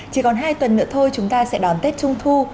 chỉ còn hai tuần nữa thôi chúng ta sẽ đón tết trung thu